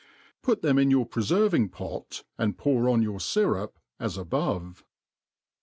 Put them in your preferving pot, and pou^ on yout fytup as ibove.